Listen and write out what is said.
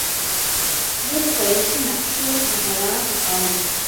زه د تاریخي نقشو مطالعه خوښوم.